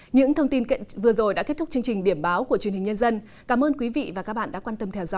những thông tin vừa rồi đã kết thúc chương trình điểm báo của truyền hình nhân dân